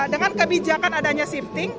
dengan kebijakan adanya shifting